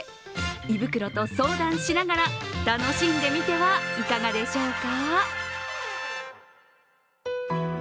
胃袋と相談しながら、楽しんでみてはいかがでしょうか。